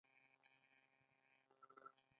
میدان ښار کابل ته څومره نږدې دی؟